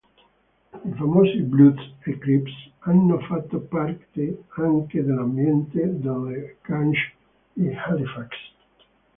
I famosi Bloods e Crips hanno fatto parte anche dell'ambiente delle gang di Halifax.